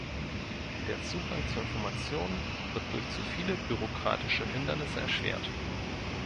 Der Zugang zu Informationen wird durch zu viele bürokratische Hindernisse erschwert.